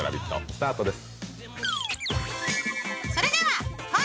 スタートです。